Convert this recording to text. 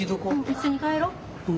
一緒に帰ろう。